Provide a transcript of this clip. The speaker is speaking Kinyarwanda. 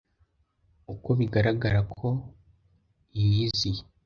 Uko bigaragara ko yiyziye